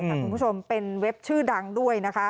คุณผู้ชมเป็นเว็บชื่อดังด้วยนะคะ